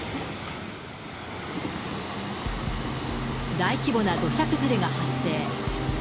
大規模な土砂崩れが発生。